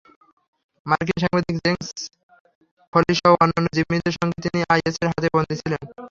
মার্কিন সাংবাদিক জেমস ফলিসহ অন্যান্য জিম্মিদের সঙ্গে তিনি আইএসের হাতে বন্দী ছিলেন।